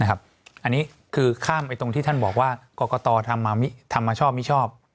อันนี้คือข้ามไปตรงที่ท่านบอกว่ากรกตทำมาชอบมิชอบ